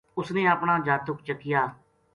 اس نے اپنا جاتک چکیا